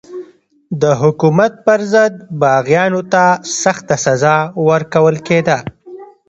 د حکومت پر ضد باغیانو ته سخته سزا ورکول کېده.